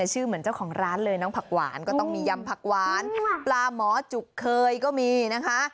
ชื่อเหมือนเจ้าของร้านเลยน้องผักหวานก็ต้องมียำผักหวานปลาหมอจุกเคยก็มีนะคะ